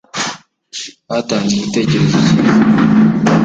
Batanze igitekerezo cyiza